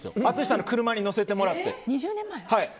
淳さんの車に乗せてもらって。